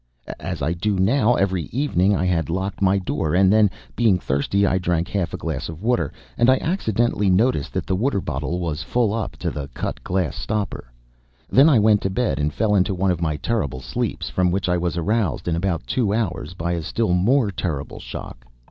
As I do now every evening, I had locked my door, and then, being thirsty, I drank half a glass of water, and I accidentally noticed that the water bottle was full up to the cut glass stopper. Then I went to bed and fell into one of my terrible sleeps, from which I was aroused in about two hours by a still more terrible shock.